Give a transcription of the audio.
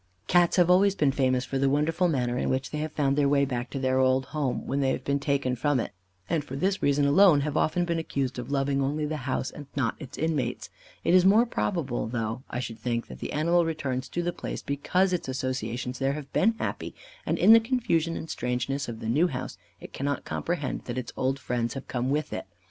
Cats have always been famous for the wonderful manner in which they have found their way back to their old home, when they have been taken from it, and for this reason alone, have often been accused of loving only the house and not its inmates. It is more probable though, I should think, that the animal returns to the place because its associations there have been happy, and, in the confusion and strangeness of the new house, it cannot comprehend that its old friends have come with it.